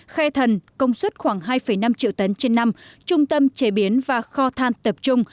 khe thần công suất khoảng hai năm triệu tấn trên năm trung tâm chế biến và kho than tập trung